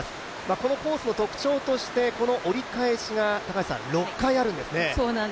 このコースの特徴として、折り返しが６回あるんですね。